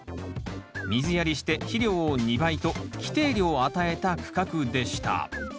水やりして肥料を２倍と規定量与えた区画でした。